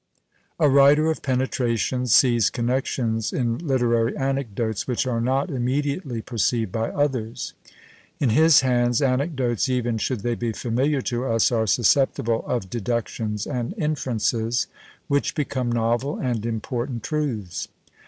A writer of penetration sees connexions in literary anecdotes which are not immediately perceived by others: in his hands anecdotes, even should they be familiar to us, are susceptible of deductions and inferences, which become novel and important truths.